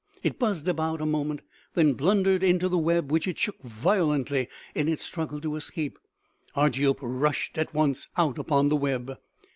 It buzzed about a moment, then blundered into the web which it shook violently in its struggle to escape. Argiope rushed at once out upon the web.